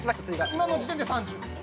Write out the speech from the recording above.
今の時点で３０です。